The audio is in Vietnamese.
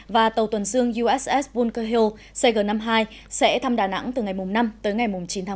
và tàu tuần xương uss bunker hill cg năm mươi hai sẽ thăm đà nẵng từ ngày năm chín ba hai nghìn hai mươi